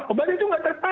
obat itu tidak terpakai